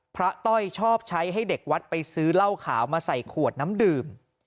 ต้อยชอบใช้ให้เด็กวัดไปซื้อเหล้าขาวมาใส่ขวดน้ำดื่ม